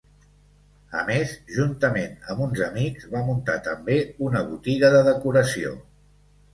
A més, juntament amb uns amics, va muntar també una botiga de decoració.